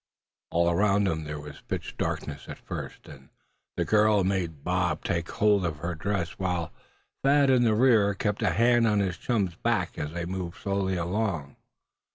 All around them was pitch darkness at first, and the girl had made Bob take hold of her dress, while Thad in the rear kept a hand on his chum's back as they moved slowly along.